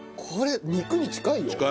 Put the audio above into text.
これ肉に近いよ。